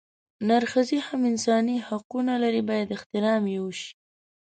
نرښځي هم انساني حقونه لري بايد احترام يې اوشي